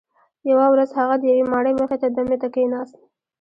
یوه ورځ هغه د یوې ماڼۍ مخې ته دمې ته کښیناست.